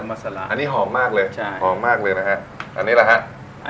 อันนี้หอมมากเลยนะฮะ